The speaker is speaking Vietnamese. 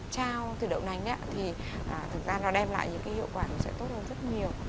trao từ đậu nành thì thực ra nó đem lại những cái hiệu quả nó sẽ tốt hơn rất nhiều